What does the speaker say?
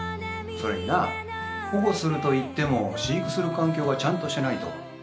それにな保護するといっても飼育する環境はちゃんとしないと。